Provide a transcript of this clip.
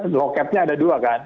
loketnya ada dua kan